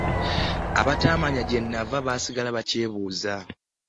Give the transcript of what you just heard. Abataamanya gye nava baasigala bakyebuuza.